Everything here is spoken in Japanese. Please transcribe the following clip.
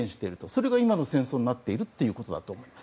それが今の戦争になっているということだと思います。